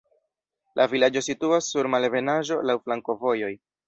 La vilaĝo situas sur malebenaĵo, laŭ flankovojoj.